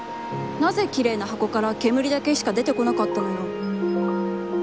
なぜ、きれいな箱からけむりだけしか出てこなかったのよ？」